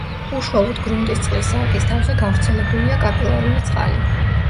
უშუალოდ გრუნტის წყლის სარკის თავზე გავრცელებულია კაპილარული წყალი.